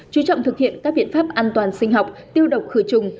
chú trọng thực hiện các biện pháp an toàn sinh học tiêu độc khử trùng